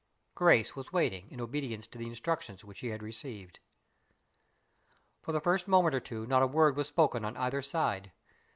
Grace was waiting, in obedience to the instructions which she had received. For the first moment or two not a word was spoken on either side.